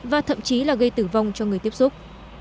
và thậm chí là gây tử vong cho người tiếp xúc